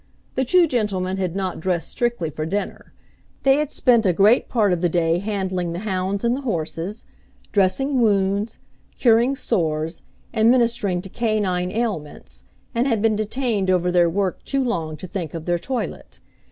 The two gentlemen had not dressed strictly for dinner. They had spent a great part of the day handling the hounds and the horses, dressing wounds, curing sores, and ministering to canine ailments, and had been detained over their work too long to think of their toilet.